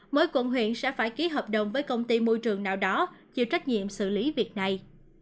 mỗi quận huyện sẽ phải ký hợp đồng với công ty môi trường nào đó chịu trách nhiệm xử lý việc này